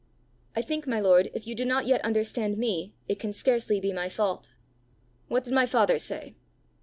"I think, my lord, if you do not yet understand me, it can scarcely be my fault." "What did my father say?"